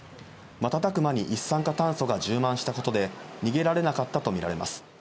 瞬く間に一酸化炭素が充満したことで、逃げられなかったと見られます。